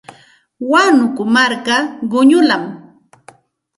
Wakunku marka quñullami.